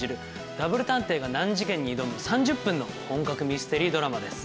ダブル探偵が難事件に挑む３０分の本格ミステリードラマです。